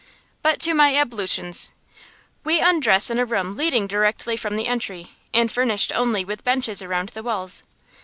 But to my ablutions! We undress in a room leading directly from the entry, and furnished only with benches around the walls.